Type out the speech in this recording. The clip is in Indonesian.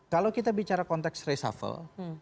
kalau kita bicara konteks reshuffle